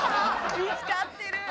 見付かってる！